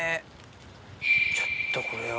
ちょっとこれは。